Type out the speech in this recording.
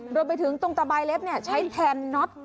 รวมไปถึงตรงตะบายเล็บใช้แทนน็อต